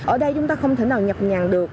ở đây chúng ta không thể nào nhập nhằn được